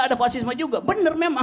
ada fasisme juga benar memang